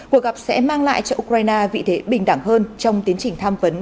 cuộc gặp sẽ mang lại cho ukraine vị thế bình đẳng hơn trong tiến trình tham vấn